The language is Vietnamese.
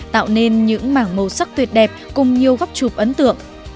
tạo nên những mảng màu sắc tuyệt đẹp cùng nhiều góc chụp ấn tượng